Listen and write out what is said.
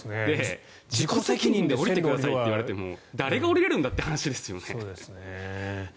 自己責任で降りてくれって言われても誰が下りれるんだという話ですよね。